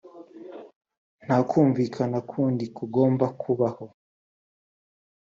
nta kumvikana kundi kugomba kubaho